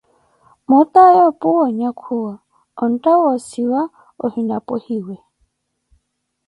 mootaya puwa onyakhuwa, ontta woosiwa ohina pwehiwe.